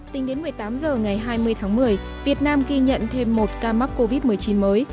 tính đến một mươi tám h ngày hai mươi tháng một mươi việt nam ghi nhận thêm một ca mắc covid một mươi chín mới